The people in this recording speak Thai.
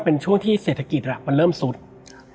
และวันนี้แขกรับเชิญที่จะมาเชิญที่เรา